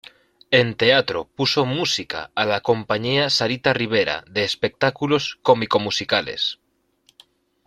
En teatro puso música a la Compañía Sarita Rivera de Espectáculos Cómico-Musicales.